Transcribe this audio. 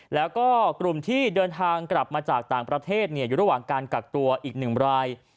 แล้วก็กลุ่มที่เดินทางกลับมาจากต่างประเทศอยู่ระหว่างการกักตัวอีก๑ราย